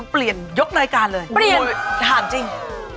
เปลี่ยนถามจริง